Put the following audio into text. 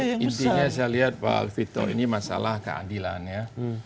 jadi intinya saya lihat pak alvito ini masalah keadilan ya